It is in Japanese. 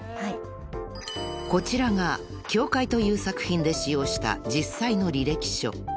［こちらが『教誨』という作品で使用した実際の履歴書］